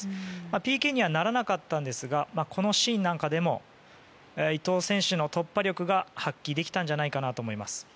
ＰＫにはならなかったんですがこのシーンなんかでも伊東選手の突破力が発揮できたんじゃないかと思います。